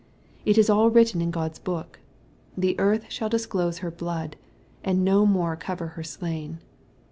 It is all written in God's book. " The earth shall disclose her blood, and no more cover her slain."